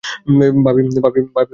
ভাবি, বসেন।